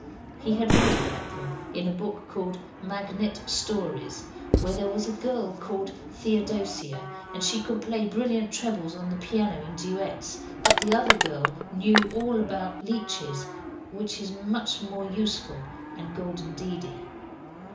He had read about them in a book called Magnet Stories, where there was a girl called Theodosia, and she could play brilliant trebles on the piano in duets, but the other girl knew all about leeches which is much more useful and golden deedy.